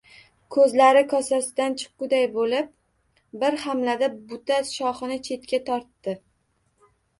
Ko'zlari kosasidan chiqkuday bo'lib, bir hamlada buta shoxini chetga tortdi.